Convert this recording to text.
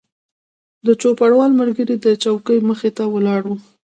د چوپړوال ملګری د څوکۍ مخې ته ولاړ و.